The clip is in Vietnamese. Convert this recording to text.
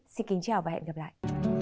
xin kính chào và hẹn gặp lại